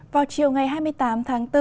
vào chiều ngày hai mươi tám tháng bốn